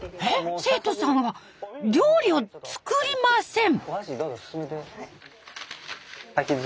生徒さんは料理を作りません！